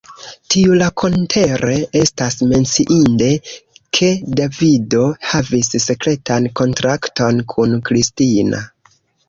Tiurakontere estas menciinde, ke Davido havis sekretan kontrakton kun Kristina.